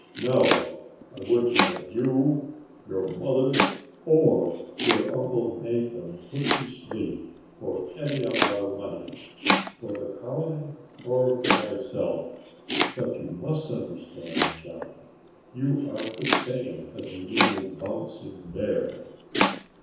No, I wouldn't have you, your mother, or your Uncle Nathan 'put to sleep' for any amount of money for the colony or for myself. But you must understand, Johnny, you aren't the same as a little bouncing bear."